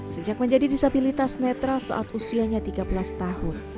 sejak menjadi disabilitas netra saat usianya tiga belas tahun